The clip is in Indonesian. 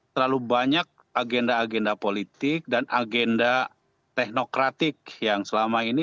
terlalu banyak agenda agenda politik dan agenda teknokratik yang selama ini